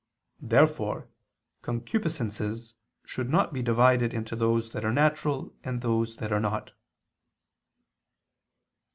Therefore concupiscences should not be divided into those that are natural and those that are not.